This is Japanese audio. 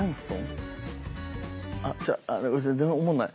あっちゃう全然おもんない。